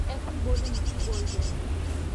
এখন বলুন কি বলবেন।